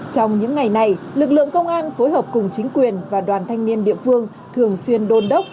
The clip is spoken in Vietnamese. trong những ngày này lực lượng công an phối hợp cùng chính quyền và đoàn thanh niên địa phương thường xuyên đôn đốc